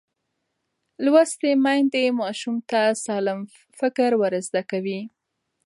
لوستې میندې ماشوم ته سالم فکر ورزده کوي.